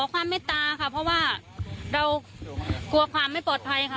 ความเมตตาค่ะเพราะว่าเรากลัวความไม่ปลอดภัยค่ะ